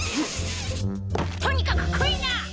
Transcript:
とにかく食いな！